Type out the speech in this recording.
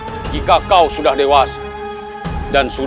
sebelum tempat berkurangan padamu